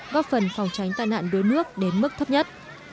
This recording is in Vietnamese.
góp phần phòng tránh tai nạn đuối nước đến mức thấp nhất